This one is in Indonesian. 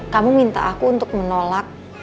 kamu minta aku untuk menolak